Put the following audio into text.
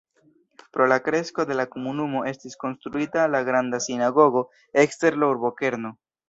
Pro la kresko de la komunumo estis konstruita la Granda sinagogo ekster la urbokerno.